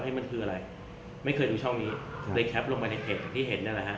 พี่มันคืออะไรไม่เคยดูช่องนี้ได้ลงไปลงไปเห็นที่เห็นนั่นแหละฮะ